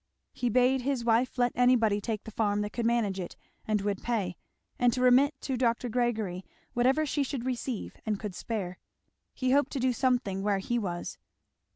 He bade his wife let anybody take the farm that could manage it and would pay; and to remit to Dr. Gregory whatever she should receive and could spare. He hoped to do something where he was.